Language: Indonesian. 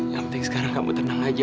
yang penting sekarang kamu tenang aja